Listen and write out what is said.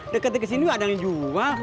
deket deket sini ada yang jual